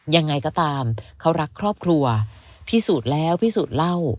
ยังไงก็ตามเขารักครอบครัวพิสูจน์แล้วพิสูจน์เล่า